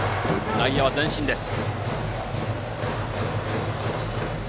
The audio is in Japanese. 内野は前進です。